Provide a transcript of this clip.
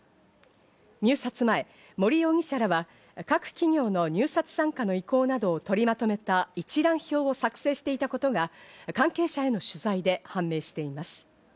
入札前、森容疑者らは各企業の入札参加の意向などを取りまとめた一覧表を作成していたことが関係者への取材で判明しています。